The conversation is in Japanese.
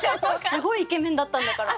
すごいイケメンだったんだから。